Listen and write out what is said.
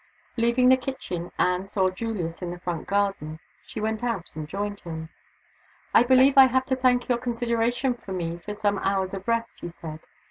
Leaving the kitchen, Anne saw Julius in the front garden. She went out and joined him. "I believe I have to thank your consideration for me for some hours of rest," he said.